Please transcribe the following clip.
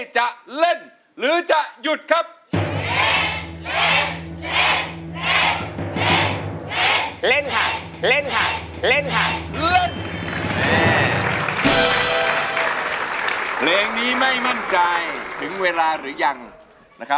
ฉันจะก็ทรมานในท่อนนี้๒เท่าไร